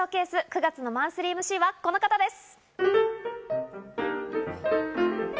９月のマンスリーＭＣはこの方です。